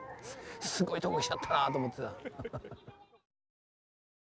「すごいとこ来ちゃったな」と思ってた。